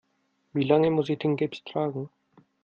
Wie lange muss ich den Gips tragen?